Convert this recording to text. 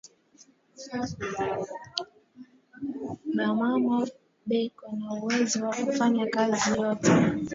Ba mama beko na uwezo wa kufanya kazi yoyote